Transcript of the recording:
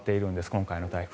今回の台風。